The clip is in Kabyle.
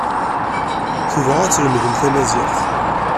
Tebɣa ad telmed tamaziɣt.